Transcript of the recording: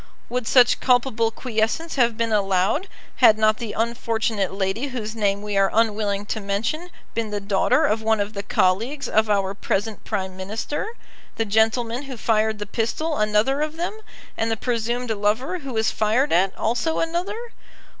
Would such culpable quiescence have been allowed had not the unfortunate lady whose name we are unwilling to mention been the daughter of one of the colleagues of our present Prime Minister, the gentleman who fired the pistol another of them, and the presumed lover, who was fired at, also another?